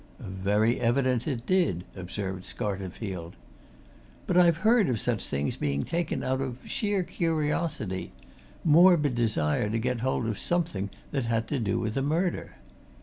"Very evident it did!" observed Scarterfield. "But I've heard of such things being taken out of sheer curiosity morbid desire to get hold of something that had to do with a murder.